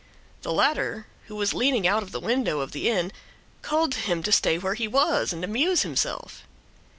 The latter, who was leaning out of the window of the inn, called to him to stay where he was and amuse himself.